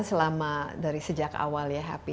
selama dari sejak awal ya happy